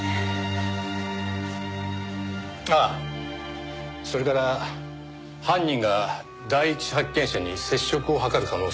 ああそれから犯人が第一発見者に接触を図る可能性があります。